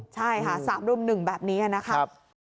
ใช่ค่ะสามรุ่มหนึ่งแบบนี้นะครับ